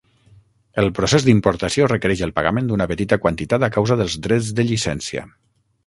El procés d'importació requereix el pagament d'una petita quantitat a causa dels drets de llicència.